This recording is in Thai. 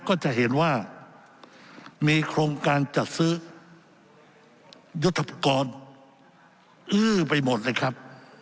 ก็จะเห็นว่ามีโครงการจัดซื้อยุทธปกรณ์อื้อไปหมดเลยครับ